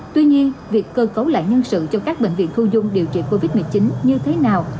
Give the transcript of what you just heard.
tuy nhiên việc cơ cấu lại nhân sự cho các bệnh viện khu dung điều trị covid một mươi chín như thế nào